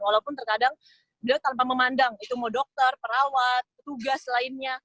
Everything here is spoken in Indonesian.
walaupun terkadang beliau tanpa memandang itu mau dokter perawat tugas lainnya